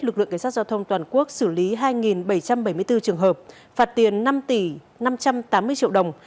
lực lượng cảnh sát giao thông toàn quốc xử lý hai bảy trăm bảy mươi bốn trường hợp phạt tiền năm trăm tám mươi triệu đồng